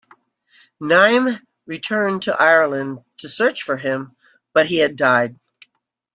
Niamh returned to Ireland to search for him, but he had died.